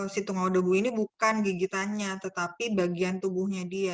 si tungau debu ini bukan gigitannya tetapi bagian tubuhnya dia